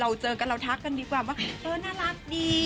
เจอกันเราทักกันดีกว่าว่าเออน่ารักดี